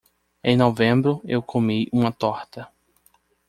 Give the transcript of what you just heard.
Em novembro, eu comi uma torta.